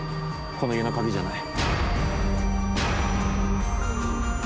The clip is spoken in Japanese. この家の鍵じゃない。